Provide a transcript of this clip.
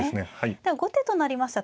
では後手となりました